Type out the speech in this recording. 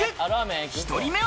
１人目は。